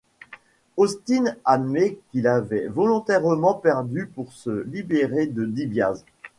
Austin admet qu’il avait volontairement perdu pour se libérer de DiBiase.